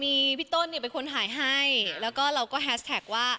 ทีนี้พี่ต้นเป็นคนถ่ายให้แล้วก็แฮสแท็กว่า